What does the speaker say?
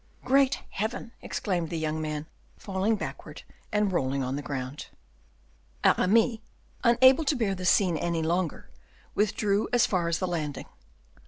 "Great heaven!" exclaimed the young man, falling backward and rolling on the ground. Aramis, unable to bear this scene any longer, withdrew as far as the landing.